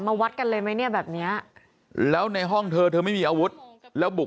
มาวัดกันเลยไหมแบบนี้แล้วในห้องเธอไม่มีอาวุธแล้วบุก